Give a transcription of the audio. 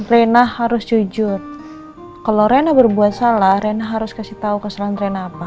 rena harus jujur kalau rena berbuat salah rena harus kasih tau kesalahan rena apa